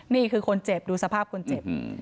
นี่คือคนเจ็บดูสภาพคนเจ็บ